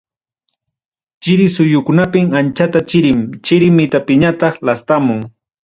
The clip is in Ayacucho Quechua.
Chiri suyukunapim anchata chirin, chiri mitapiñataq lastamun.